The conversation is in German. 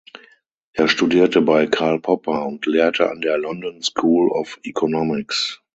Er studierte bei Karl Popper und lehrte an der London School of Economics.